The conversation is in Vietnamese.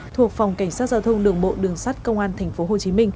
thuộc phòng cảnh sát giao thông đường bộ đường sát công an tp hcm